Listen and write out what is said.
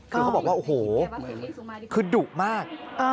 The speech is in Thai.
คือเขาบอกว่าโอ้โหคือดุมาก